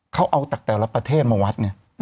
เขาเอาจากแต่ละประเทศมาวัดไง